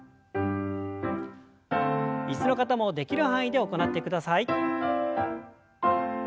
椅子の方もできる範囲で行ってください。